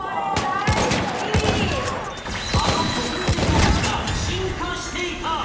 あの国民的お菓子が進化していた！